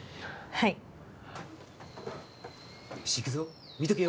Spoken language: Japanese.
はいよしいくぞ見とけよ